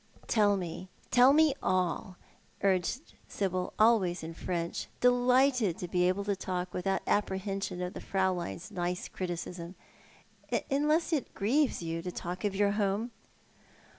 " Tell me, tell me all," urged Sibyl, always in French, de lighted to be able to talk without apprehension of the Friiuleiu's nice criticism, " unless it grieves you to talk of your home."